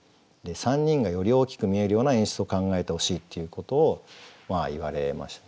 ３人がより大きく見えるような演出を考えてほしいっていうことを言われましたね。